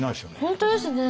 本当ですね。